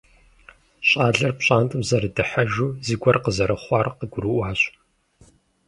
Щӏалэр пщӏантӏэм зэрыдыхьэжу, зыгуэр къызэрыхъуар къыгурыӏуащ.